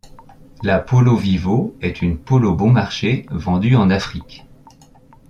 La Polo Vivo est une Polo bon marché vendue en Afrique.